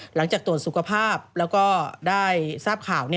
หลังจากตรวจสุขภาพแล้วก็ได้ทราบข่าว